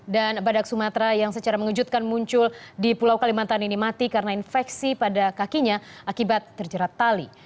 dan badak sumatera yang secara mengejutkan muncul di pulau kalimantan ini mati karena infeksi pada kakinya akibat terjerat tali